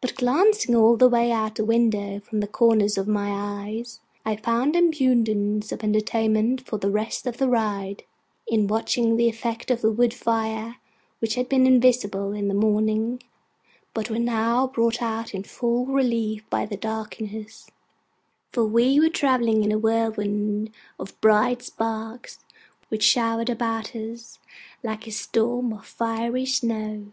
But glancing all the way out at window from the corners of my eyes, I found abundance of entertainment for the rest of the ride in watching the effects of the wood fire, which had been invisible in the morning but were now brought out in full relief by the darkness: for we were travelling in a whirlwind of bright sparks, which showered about us like a storm of fiery snow.